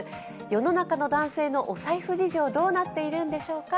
世の中の男性のお財布事情どうなっているんでしょうか。